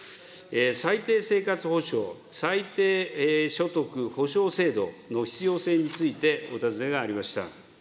最低生活保障、最低所得保障制度の必要性についてお尋ねがありました。